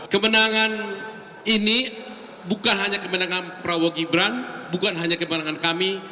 kemenangan ini bukan hanya kemenangan prabowo gibran bukan hanya kemenangan kami